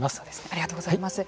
ありがとうございます。